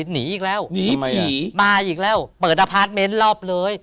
เห็นรอบเลย